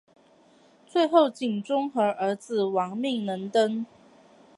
最后景忠和儿子亡命能登。